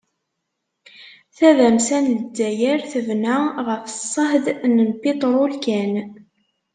Tadamsa n Lezzayer tebna ɣef ṣṣehd n piṭrul kan.